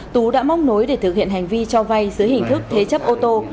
tú đã móc nối để thực hiện hành vi cho vay dưới hình thức thế chấp ô tô